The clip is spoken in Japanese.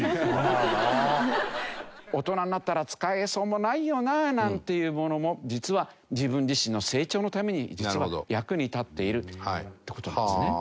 「大人になったら使えそうもないよな」なんていうものも実は自分自身の成長のために役に立っているって事なんですね。